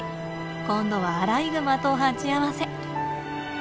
今度はアライグマと鉢合わせ。